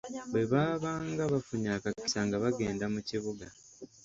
Bwe baabanga bafunye akakisa nga bagenda mu kibuga.